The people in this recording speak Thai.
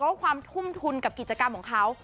และความทุ่มทุนกับกิจกรรมของเขา